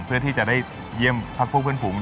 เพื่อที่จะได้เยี่ยมพักพวกเพื่อนฝูง